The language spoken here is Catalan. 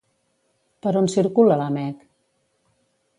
Per on circula la Meg?